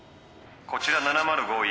こちら７０５Ｅ。